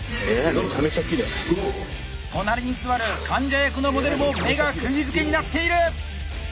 隣に座る患者役のモデルも目がくぎづけになっている！